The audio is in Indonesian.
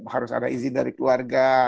harus ada izin dari keluarga